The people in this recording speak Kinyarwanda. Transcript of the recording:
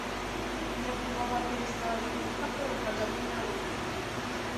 nyakubahwa perezida wa repubulika paul kagame na we,